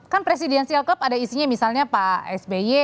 kan presidential cup ada isinya misalnya pak sby